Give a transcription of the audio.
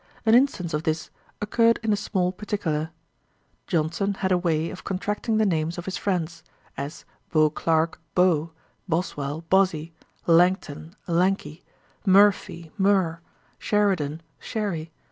An instance of this occurred in a small particular. Johnson had a way of contracting the names of his friends; as Beauclerk, Beau; Boswell, Bozzy; Langton, Lanky; Murphy, Mur; Sheridan, Sherry.